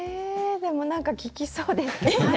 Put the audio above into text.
でもなんか効きそうですね。